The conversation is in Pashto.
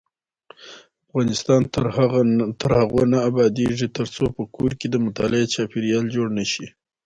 افغانستان تر هغو نه ابادیږي، ترڅو په کور کې د مطالعې چاپیریال جوړ نشي.